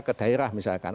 ke daerah misalkan